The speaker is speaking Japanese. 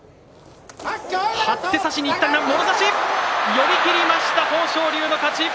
寄り切りました豊昇龍の勝ち。